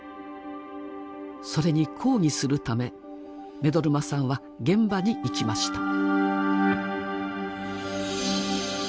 それに抗議するため目取真さんは現場に行きました。